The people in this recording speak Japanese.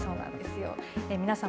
皆さん